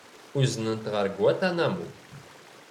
Uznen-t ɣer Guantanamo.